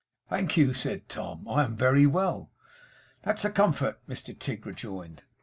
'Thank you,' said Tom. 'I am very well.' 'That is a comfort,' Mr Tigg rejoined.